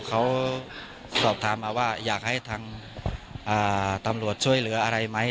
เขาสอบถามมาว่าอยากให้ทางตำรวจช่วยเหลืออะไรไหม